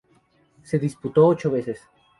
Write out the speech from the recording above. Se disputó ocho veces.